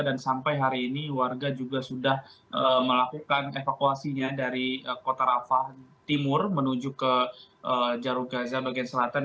dan sampai hari ini warga juga sudah melakukan evakuasinya dari kota rafah timur menuju ke jawa gaza bagian selatan